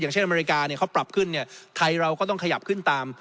อย่างเช่นอเมริกาเนี่ยเขาปรับขึ้นไทยเราก็ต้องขยับขึ้นตาม